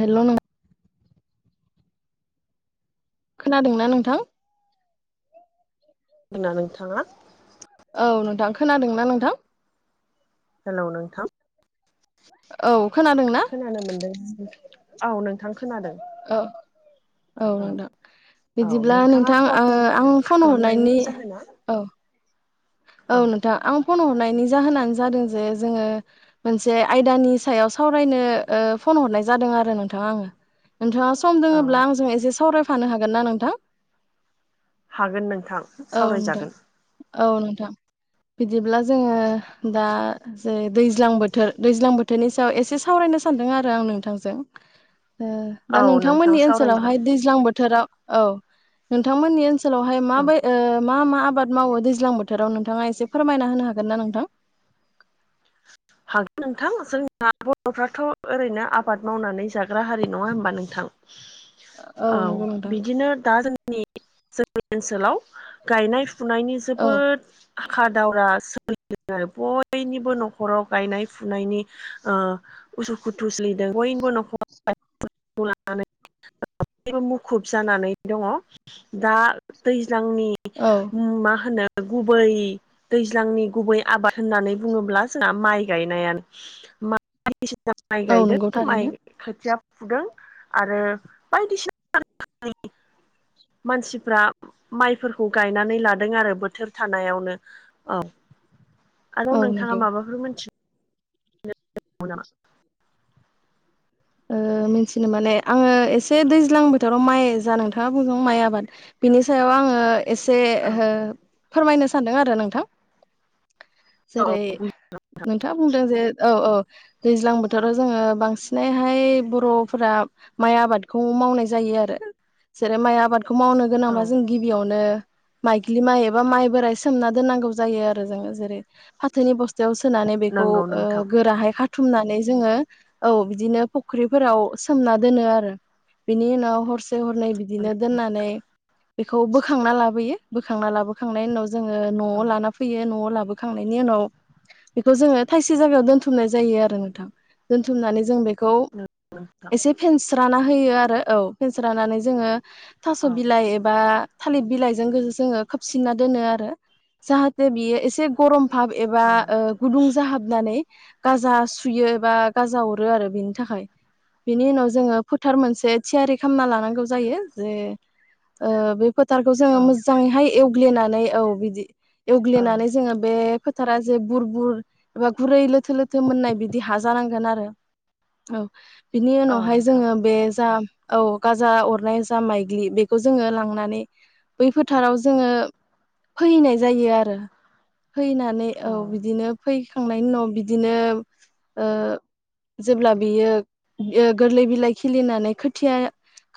हेल' नों खोनादोंना नोंथां? जोंना नोंथाङा औ नोंथां खोनादोंना नोंथां? हेलौ नोंथां। औ खोनादोंना खोनानो मोनदों औ नोंथां खोनादों। औ औ नोंथां। औ बिदिब्ला नोंथाङा नोंथां फन ओ आं फन खालामनायनि हरनायनि जाहोना औ औ नोंथां। फन हरनायनि जाहोनानो जादों जे जोंङो मोनसे आयदानि सायाव सावरायनो ओ फन हरनाय जादों आरो नोंथां आंङो नोंथाङा सम औ दोङोब्ला आंजों एसे सावरायफानो हागोन ना नोंथां? हागोन नोंथां औ नोंथां सावरायजागोन औ नोंथां बिदिब्ला जोंङो दा जे दैज्लां बोथोर दैज्लां बोथोरनि सायाव एसे सा नो सानदों आरो आं नोंथांजों। ओ औ नोंथां सावरायजागोन नावहाय औ माबै ओ मा मा आबाद मावो दैज्लां बोथोराव नोंथाङा एसे फोरमायना होनो हागोन ना नोंथां? हागोन नोंथां जोंना बर'फ्राथ' ओरैनो आबाद मावनानै जाग्रा हारि नङा होमबा नोंथां। औ नंगौ नोंथां बिदिनो दा जोंनि जोंनि ओनसोलाव गायनाय फुनायनि औ जोबोद हाखा दावरा सोलिदों आरो बयनिबो न' खराव गायनाय फुनायनि ओ उसुखुथु सलिदों बयनिबो न'खर [unintelligible] मुखुब जाना नै दंङ दा दै जांनि औ मा होनो गुबै दैज्लांनि गुबै आबाद होननानै बुङोब्ला जोंहा माइ गायनायानो मा बायदिसिना माइ औ नंगौ गायगोदोन माइ थारैनो खोथिया आरो बायदिसिना [unintelligible] [inaudible] मानसिफ्रा माइफोरखौ गायनानै लादों आरो बोथोर थानायावनो औ [inaudible] आरो नोंथाङा नंगौ माबाफोर मिथि गौ नामा? ओ मिथिनो माने आंङो एसे दैज्लां बोथोराव माइ जा नोंथाङा बुंदों माइ आबाद बिनि सायाव आंङो एसे औ हो फोरमायनो सानदों आरो नोंथां औ जेरै नोंथाङा बुंदों जे औ औ दैज्लां बोथोराव जोंङो बांसिन हाय बर'फोरा माइ आबादखौ मावनाय जायो आरो जेरै माइ आबाद बेखौ मावनो औ गोनांबा जों गिबियावनो माइग्लि माइ एबा माइ बोराइ सोमना दोननांगौ जायो आरो जोंङो जेरै फाथोनि बुस्था थियाव सोनानै बेखौ नंगौ ओ नोंथां गोराहाय खाथुमनानै जोंङो औ बिदिनो फुख्रिफोराव सोमना दोनो आरो बिनि उनाव हरसे हरनै बिदिनो दोननानै बेखौ बोखांना लाबोयो बोखांना लाबोखांनायनि उनाव जोंङो औ न'आव लाना फैयो न'आव लाबो खांनायनि उनाव बेखौ जोंङो थायसे जायगायाव दोनथुमनाय जायो आरो नोंथां दोनथुमनानै जों बे बेखौ नंगौ नोंथां एसे फेनस्राना होयो आरो औ फेनस्रानानै जोंङो थास' औ बिलाइ एबा थालिर बिलाइजों जोंङो खोबसिनना दोनो आरो जाहाथे बियो एसे गरम फाब एबा औ ओ गुदुं जाहाबनानै गाजा सुयो एबा गाजा अरो आरो बिनि थाखाय बिनि उनाव जोंङो फोथार मोनसे थियारि खालामना लानांगौ जायो जे ओ बे फोथारखौ जोंङो औ मोजाङैहाय एवग्लिनानै औ बिदि औ एवग्लिनानै जोंङो बे फोथारा जे बुर बुर एबा गुरै लोथो लोथो मोननाय बिदि हाजानांगोन आरो औ बिनि औ उनावहाय नोंथां जोंङो बे जा औ गाजा अरनाय जा माइग्लि बेखौ जोंङो लांनानै बै फोथाराव जोंङो फोहैनाय जायो आरो। फोहैनानै औ बिदिनो फोहैखांनायनि उनाव बिदिनो ओ जेब्ला बियो ओ गोरलै बिलाइ खिलिनानै खोथिया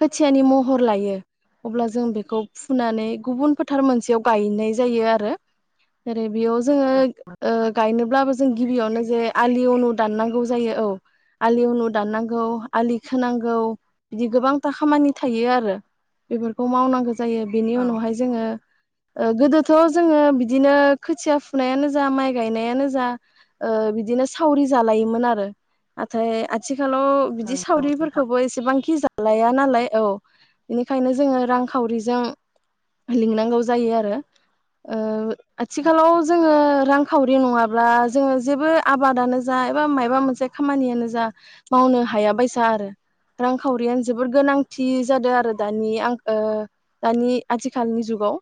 खोथियानि महर लायो। अब्ला जों बेखौ फुनानै गुबुन फोथार मोनसेयाव गायनाय जायो आरो जेरै बेयाव जोङो ओ गायनोब्लाबो जों गिबियावनो जे आलि अनु दाननांगौ जायो औ आलि उनु दाननांगौ आलि खोनांगौ बिदि गोबांथा खामानि थायो आरो बेफोरखौ मावनांगौ जायो बेनि औ उनावहाय जोङो [inaudible] ओ गोदोथ' जोङो बिदिनो खोथिया फुनायानो जा माइ गायनायानो जा ओ बिदि नो सावरि जालायोमोन आरो नाथाय आथिखालाव बिदि नंगौ नोंथां सावरिफोरखौबो एसेबांखि जा लाया नालाय औ बेनिखायनो जोङो रांखावरिजों लिंनांगौ जायो आरो ओ आथिखालाव जोङो रां खावरि नङाब्ला जोङो जेबो आबादानो जा एबा मायबा मोनसे खामानियानो जा मावनो हायाबायसा आरो रांखावरियानो जोबोर गोनांथि जादों आरो दानि आं ओ दानि आथिखालनि जुगाव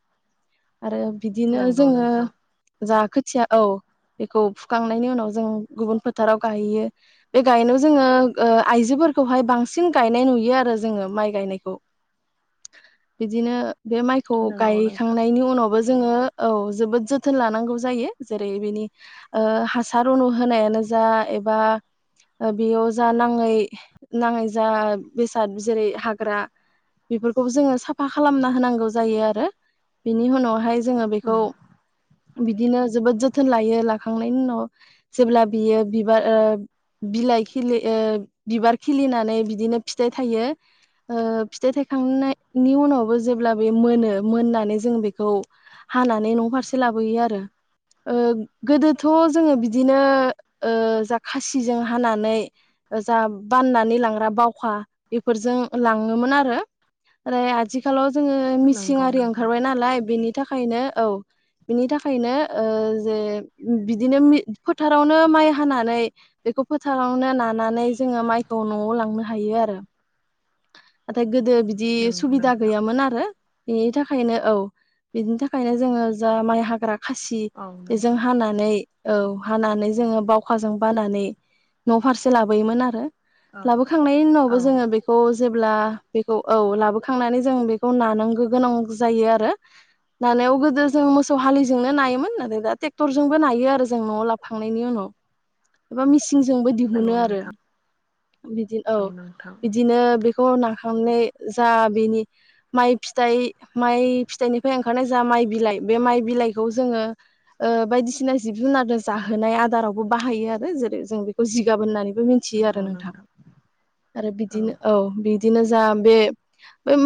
आरो बिदिनो नंगौ जोङो नोंथां जा खो थिया औ बेखौ फुखांनायनि उनाव जों गुबुन फोथाराव गायहैयो बे गायनायाव जोङो आइजोफोरखौहाय बांसिन गायनाय नुयो आरो जोङो माइ गायनायखौ बिदिनो बे माइखौ नंगौ नोंथां गायखांनायनि उनावबो जोङो औ जोबोद जोथोन लानांगौ जायो जेरै बेनि ओ हारसार उनु होनायानो जा एबा ओ बेयाव जा नाङै नाङै जा बेसाद जेरै हाग्रा बेफोरखौबो जोङो साफा खालामना होनांगौ जायो आरो बिनि उनावहाय जोङो बेखौ उम बिदिनो जोबोद जोथोन लायो लाखांनायनि उनाव जेब्ला बियो बिबार ओ बिलाइ खिलि ओ बिबार खिलिनानै बिदिनो फिथाइ थायो। ओ फिथाइ थायखांनायनि उनावबो जेब्ला बे मोनो मोननानै जों बेखौ हानानै न' फारसे लाबोयो आरो ओ गोदोथ' जोङो बिदिनो ओ जा खासि जों हानानै जा बाननानै लांग्रा बावखा बेफोरजों लाङोमोन आरो ओरै आथिखालाव जोङो मिसिं नंगौ आरि नोंथां ओंखारबाय नालाय बेनि थाखायनो औ बिनि थाखायनो ओ जे बिदिनो फोथारावनो माइ हानानै बेखौ फोथारावनो नानानै जोङो माइखौ न'आव लांनो हायो आरो नाथाय गोदो बिदि नंगौ सुबिदा नोंथां गैयामोन आरो बिनि थाखायनो औ बिनि थाखायनो जोङो जा माइ हाग्रा खासि औ बेजों नोंथां हानानै औ हानानै जोङो बावखाजों बानानै न' फारसे लाबोयोमोन आरो औ लाबोखांनायनि उनावबो औ जोङो बे जेब्ला बेखौ औ लाबोखांनानै जों बेखौ नानांगौ गोनां जायो आरो नानायाव गोदो जों मोसौ हालिजोंनो नायोमोन नाथाय दा ट्रेक्टरजोंबो नायो आरो जों न'आव लाफाखांनायनि उनाव एबा मिसिंजोंबो दिहुनो नंगौ आरो नोंथां बिदिनो औ बिदिनो बेखौ नाखांनाय जा बेनि मइ फिथाइ माइ फिथाइनिफ्राय ओंखारनाय जा माइ बिलाइ बे माइ बिलाइखौ जोङो ओ बायदिसिना जिब-जुनार जाहोनाय आदारावबो बाहायो आरो जेरै जों बेखौ जिगाब होननानै मिथियो आरो नोंथां आरो बिदिनो औ बि दिनो जा बे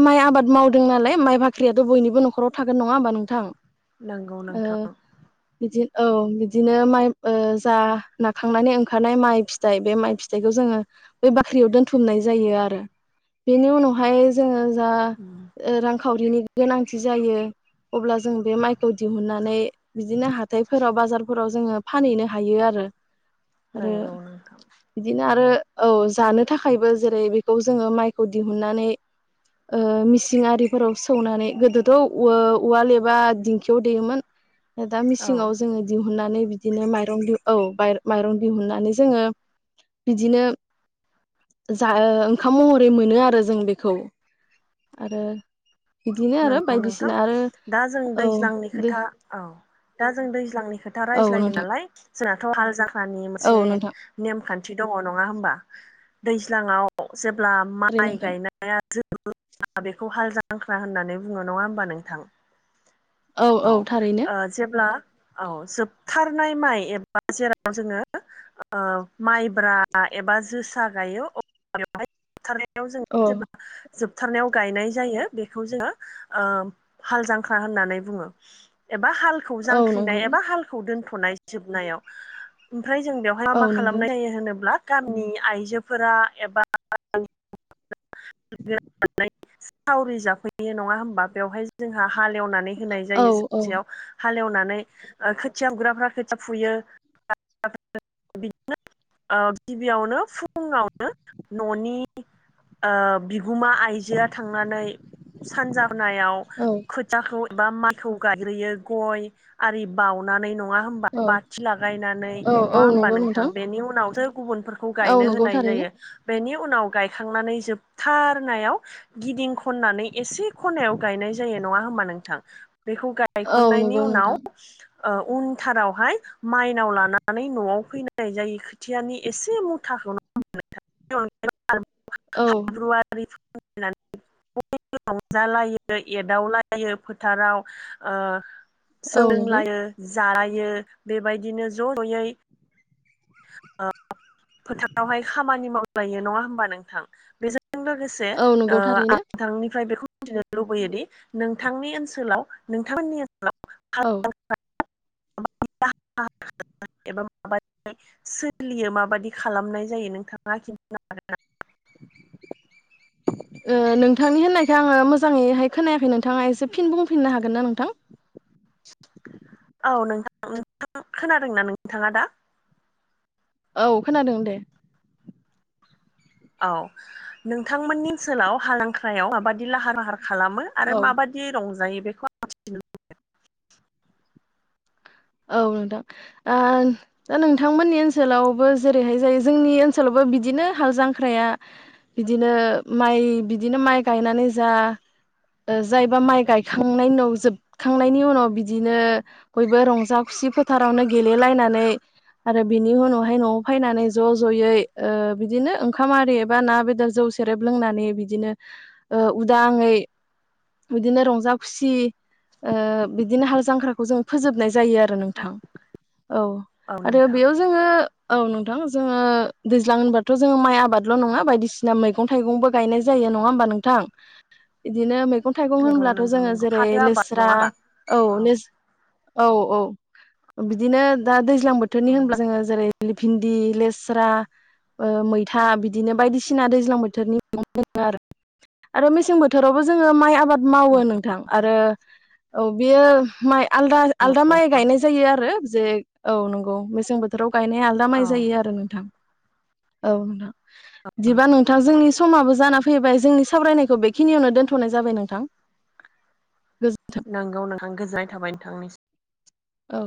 माइ आबाद मावदों नालाय माइ बाख्रियाथ' बयनिबो न'खराव थागोन नङा होमबा नोंथां नंगौ ओ नोंथां बिदि औ बिदिनो माइ ओ जा नाखांनानै ओंखारनाय माइ फिथाइ बे माइ फिथाइखौ जोङो बै बाख्रियाव दोनथुमनाय जायो आरो बेनि उनावहाय जोङो जा उम रांखावरिनि गोनांथि जायो। अब्ला जों बे माइखौ दिहुननानै बिदिनो हाथायफोराव बाजार फोराव जोङो फानहैनो हायो आरो आरो नंगौ नोंथां बिदिनो आरो औ जानो थाखायबो जेरै बेखौ जोङो माइखौ दिहुननानै मिसिं आरिफोराव सौनानै गोदोथ' उवाल एबा दिंखियाव देयोमोन दा औ मिसिंङाव जोङो दिहुन दिहुननानै बिदिनो माइरं दि औ माइरं दिहुननानै जोङो बिदिनो जा ओंखाम महरै मोनो आरो जों बेखौ आरो बिदिनो आरो नंगौ नोंथां बायदिसिना आरो दा जों औ दैज्लांनि खोथा औ दा जों दैज्लांनि खोथा औ रायज्लायदों नोंथां नालाय जोंनाथ' हाल जाखानि औ मोनसे नोंथां नेमखान्थि दङ नङा हबा दैज्लांङावव जेब्ला ओरै माइ नोंथां गायनाय जो बेखौ हाल जांख्रा होननानै बुङो नङा होमबा नोंथां औ थारैनो औ जेब्ला औ जोबथारनाय माइ एबा जेराव जोङो माइब्रा एबा जोसा गायो अब्ला बेवहाय बुथारनायाव जों औ जेब्ला जोबथारनायाव गायनाय जायो बेखौ जोङो हाल जांख्रा होननानै बुङो एबा हालखौ औ नंगौ जांख्रिनाय एबा हालखौ दोनथ'नाय जोबनायाव ओमफ्राय जों बेवहाय मा औ मा नंगौ खालामनाय जायो होनोब्ला गामिनि आइजोफोरा एबा सावरि जाफैयो नङा होमबा बेवहाय जोंहा हालेवनानै होनाय औ जायो औ सानसेयाव हालेवनानै खोथिया गुग्राफ्रा खोथिया फुयो बिदिनो गिबियावनो फुङावनो न'नि गुमा आइजोआ थांनानै सानजाबनायाव औ खोथाखौ एबा मइ गाय्रोयो गय आरि बावउनानै। नङा हबा औ बाथि लागायनानै औ औ नङा हबा नंगौ नोंथां बेनि उनावसो गुबुनफोरखौ औ गायनो नंगौ होनाय जायो। थारैनो जायो बेनि उ। उनाव गायखांनानै जोबथारनायाव गिदिं खननानै एसे खनायाव गायनाय जायो। ना हा नोंथां बेखौ औ गायखनायनि नंगौ उनाव नोंथां उनथारावहाय। माइनाव लानानै न'आव। फैनायनाय जायो खोथियानि एसे मुथाखौ न मोन। औ फेब्रुवारि। नानै रंजालायो एदावलायो फोथाराव। औ नंगौ सोंलायो जानाय। बियो बेबायदिनो ज' ज'यै। फोथारावहाय खामानि मावलायो नङा होमबा नोंथां बे ज। लोगोसे औ नंगौ थारैनो आंथांनिफ्राय बेखौ। मिथिनो लुबैयोदि नोंथांनि ओनसोलाव नोंथांमोननि औ ओसोलाव। [unintelligible] एबा माब सोलियो माबायदि खालामनाय जायो नोंथाङा खिन्थानो हागोन नामा [inaudible] नोंथांनि होननायख आङो मोजाङैहाय खोनायाखै नोंथाङा एसे फिन बुंफिननो हागोन ना नोंथां। [inaudible] औ नोंथां नोंथां खोनादोंनाा नोंथाङा दा। औ खोनादों दे। औ नोंथांमोननि ओनसोलाव हालांख्रायाव माबाददि लाहार फाहार। खालामो आरो औ माबायदि रंजायो बेखौ आं मिथिनो लुबै। औ नोंथां दा नोंथांमोननि ओनसोलावबो जेरैहाय जायो जोंनि ओनसोलावबो। बिदिनो हाल जांख्राया बिदिनो माइ बिदिनो माइ गायनानै जा। जायबा माइ गायखांनायनि उनाव जोबखांनायनि उनाव बिदिनो बयबो रंज। जाा खुसि फोथारावनो गेलेलायनानै। आरो बिनि उनावहाय न'आव फैनानै ज' ज'यै बिदिनो ओंखाम आरि एबा ना बेदर जौ। सेरेब लोंनानै बिदिनो उदाङै। बिदिनो रंजा खुसि बिदिनो हाल जांख्राखौ जों फोजोबनाय‌। जायो आरो औ नोंथां औ औ आरो नोंथां बेयाव जोङो औ। ज दैज्लां होनाथ' जोो माइ आबादल' नङा बायदिसिना मैगं थाइगंबो गायनाय जायो नङा। नोंथां बिदिनो मै। मैगं थाइगं नंगौ होनब्लाथ' नोंथां जोङो नंगौ जेरै फाथो आबाद लोस्रा नङा होमबा औ। औ औ बिदिनो दा दैज्लां बोथोरनि औ होनब्ला जोङो जेरै। भिन्दि लेस्रा। मैथा बिदिनो बायदिसिना दैज्लां बोथोरनि मैगं मोनो आरो। आरो मेसें बोथोरावबो जोङो माइ आबाद। मावो नोंथां नंगौ आरो औ बेयो मद। आलदा माइ नोंथां गायनाय जायो आरो जे औ नंगौ मेसें बोथोराव। गायनाय आदा माइ औ जायो आरो नोंथां औोंथां बिदिबा नोंथां जोंनि। समाबो जानानै फैबाय जोंनि सावरायनायखौ बेखिनियावनो दोनथ'नाय जाबाय नोंथां। गोजो नंगौ नोंथां गोजोननाय थाबाय नोंथांनिसिम। औ।